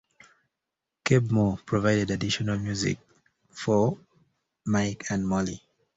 Keb' Mo' provided additional music for "Mike and Molly".